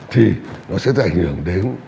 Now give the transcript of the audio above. thì nó sẽ giải hưởng đến